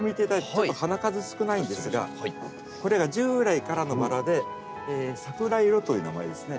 ちょっと花数少ないんですがこれが従来からのバラで「さくらいろ」という名前ですね。